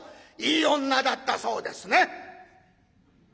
いい女だったそうですね。